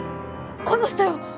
この人よ！